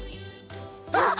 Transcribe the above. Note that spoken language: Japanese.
あっ！